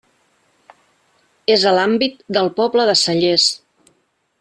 És a l'àmbit del poble de Cellers.